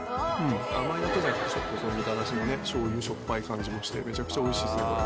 甘いだけじゃなくて、ちょっとみたらしのしょうゆしょっぱい感じもして、めちゃくちゃおいしいっすね、これ。